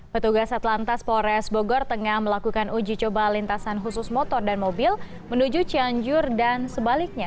petugas atlantas polres bogor tengah melakukan uji coba lintasan khusus motor dan mobil menuju cianjur dan sebaliknya